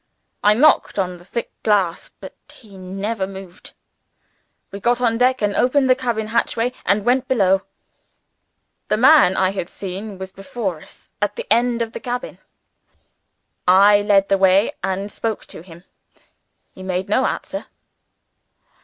I knocked on the thick glass, but he never moved. We got on deck, and opened the cabin hatchway, and went below. The man I had seen was before us, at the end of the cabin. I led the way, and spoke to him. He made no answer.